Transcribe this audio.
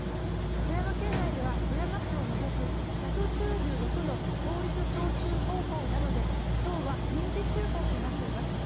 富山県内では富山市を除く１９６の公立小中高校などで今日は臨時休校となっています。